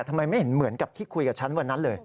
ทำไมไม่เห็นเหมือนกับที่คุยกับฉันวันนั้นเลย